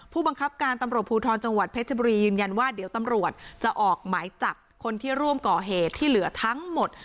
ผู้บังคับการตำรวจภูทรจังหวัดเพชรบุรียืนยันว่าเดี๋ยวตำรวจจะออกหมายจับคนที่ร่วมก่อเหตุที่เหลือทั้งหมด